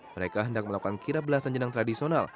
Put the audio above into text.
mereka hendak melakukan kirap belasan jenang tradisional